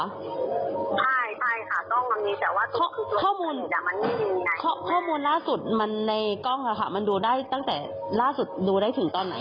ใช่ใช่ค่ะต้องมันนี้แต่ว่าข้อมูลข้อมูลล่าสุดมันในกล้องค่ะมันดูได้ตั้งแต่ล่าสุดดูได้ถึงตอนไหนค่ะ